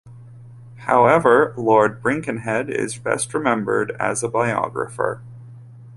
However, Lord Birkenhead is best remembered as a biographer.